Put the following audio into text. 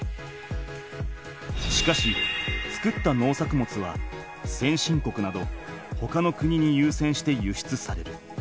しかし作った農作物は先進国などほかの国にゆうせんして輸出される。